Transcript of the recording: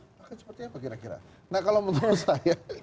itu akan seperti apa kira kira nah kalau menurut saya